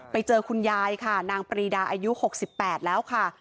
ไปเจอคุณยายค่ะนางปรีดาอายุ๖๘แล้วค่ะ